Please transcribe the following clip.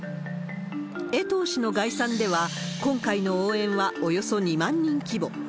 江藤氏の概算では、今回の応援はおよそ２万人規模。